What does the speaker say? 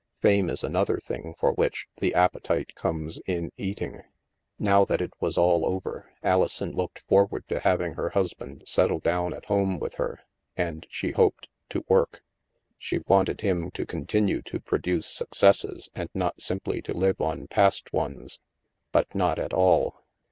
Fame is another thing for which "the appetite comes in eating." Now that it was all over, Alison looked forward to having her husband settle down at home with Jier, and (she hoped), to work. She wanted him to continue to produce successes and not simply to live on past ones. . But not at all.